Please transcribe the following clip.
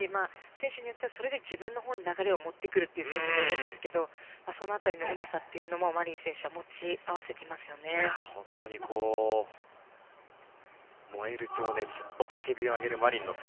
選手によってはそれで自分のほうに流れを持ってくる選手もいますがその辺りのうまさもマリン選手は本当に燃える情熱雄たけびを上げるマリンの姿。